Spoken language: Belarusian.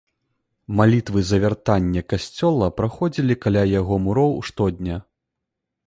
Малітвы за вяртанне касцёла праходзілі каля яго муроў штодня.